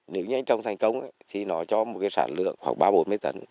nếu như anh trồng thành công thì nó cho một sản lượng khoảng ba bốn mươi tấn